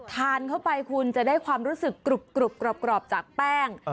ทานเข้าไปคุณจะได้ความรู้สึกกรุบกรอบจากแป้ง